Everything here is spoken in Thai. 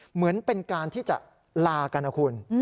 เหมือนเป็นการที่จะลากันนะคุณ